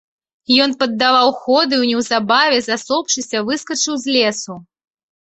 Ён паддаваў ходу і неўзабаве, засопшыся, выскачыў з лесу.